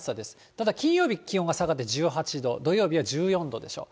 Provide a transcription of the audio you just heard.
ただ金曜日、気温が下がって１８度、土曜日は１４度でしょう。